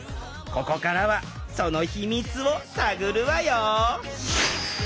ここからはそのヒミツを探るわよ！